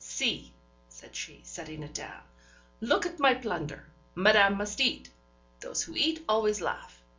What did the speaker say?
'See!' said she, setting it down. 'Look at my plunder. Madame must eat. Those who eat always laugh.